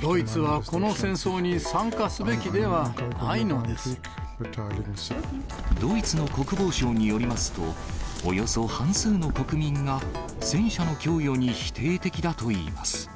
ドイツはこの戦争に参加すべドイツの国防相によりますと、およそ半数の国民が戦車の供与に否定的だといいます。